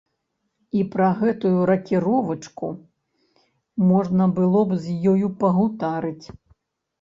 І пра гэтую ракіровачку можна было б з ёю пагутарыць.